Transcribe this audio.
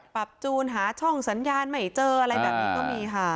จูนหาช่องสัญญาณไม่เจออะไรแบบนี้ก็มีค่ะ